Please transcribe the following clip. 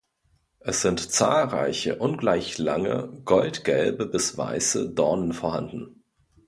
Es sind zahlreiche, ungleich lange, goldgelbe bis weiße Dornen vorhanden.